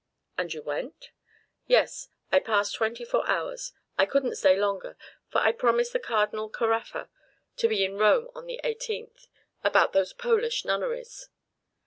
"And you went?" "Yes; I passed twenty four hours. I couldn't stay longer, for I promised the Cardinal Caraffa to be in Rome on the 18th, about those Polish nunneries.